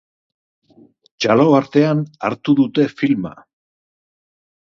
Txalo artean hartu dute filma.